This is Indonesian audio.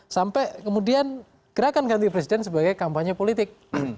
sampai kemudian gerakan ganti presiden sebagai kampanye politik